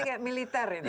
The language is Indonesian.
ini kayak militer ini